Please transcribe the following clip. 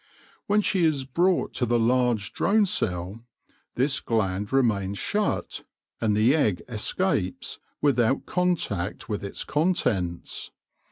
When she is brought to the large drone cell, this gland remains shut, and the egg escapes without contact with its contents.